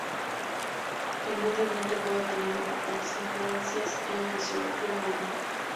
El medio ambiente puede tener importantes influencias en la fisiología humana.